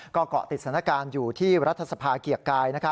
ก็เกาะติดสถานการณ์อยู่ที่รัฐสภาเกียรติกาย